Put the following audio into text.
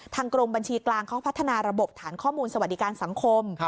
กรมบัญชีกลางเขาพัฒนาระบบฐานข้อมูลสวัสดิการสังคม